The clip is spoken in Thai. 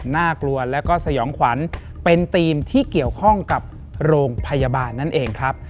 น่ากลัวแล้วก็สยองขวัญเป็นทีมที่เกี่ยวข้องกับโรงพยาบาลนั่นเองครับ